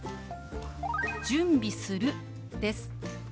「準備する」です。